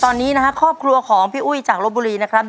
ตอนนี้นะฮะครอบครัวของพี่อุ้ยจากลบบุรีนะครับ